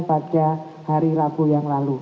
pada hari rabu yang lalu